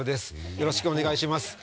よろしくお願いします。